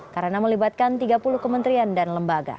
karena melibatkan tiga puluh kementerian dan lembaga